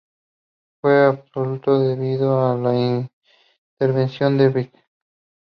Fue absuelto debido a la intervención de Bridget.